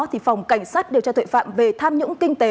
thì phòng cảnh sát điều tra tội phạm về tham nhũng kinh tế